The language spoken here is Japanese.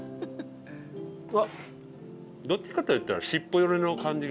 あっどっちかと言ったら尻尾寄りの感じが。